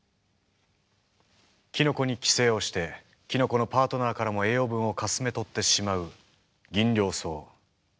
キノコに寄生をしてキノコのパートナーからも栄養分をかすめ取ってしまうギンリョウソウ。